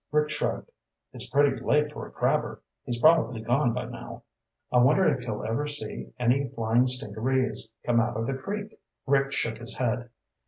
Rick shrugged. "It's pretty late for a crabber. He's probably gone by now." "I wonder if he'll ever see any flying stingarees come out of the creek." Rick shook his head.